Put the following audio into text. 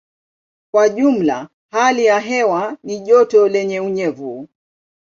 Kwa jumla hali ya hewa ni joto lenye unyevu.